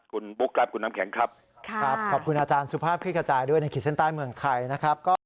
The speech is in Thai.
คุณบุ๊คครับคุณน้ำแข็งครับขอบคุณอาจารย์สุภาพคลิกขจายด้วยในขีดเส้นใต้เมืองไทยนะครับ